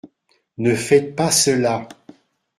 Ne faites pas cela !